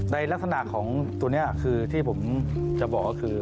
ในลักษณะของตัวนี้คือที่ผมจะบอกก็คือ